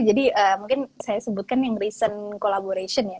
jadi mungkin saya sebutkan yang recent collaboration ya